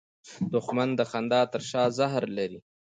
دښمن د خندا تر شا زهر لري